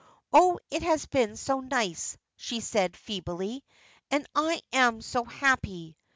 "Oh, it has been so nice," she said, feebly, "and I am so happy."